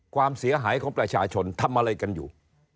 ความเสียหายของประชาชนทำอะไรกันอยู่